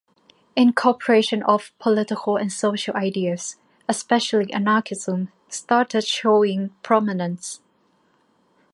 Incorporation of political and social ideas, especially anarchism, started showing prominence.